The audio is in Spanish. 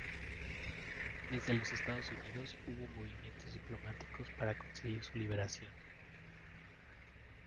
Desde los Estados Unidos hubo movimientos diplomáticos para conseguir si liberación.